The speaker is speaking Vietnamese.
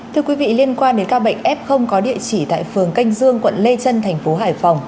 thưa quý vị liên quan đến ca bệnh f có địa chỉ tại phường canh dương quận lê trân thành phố hải phòng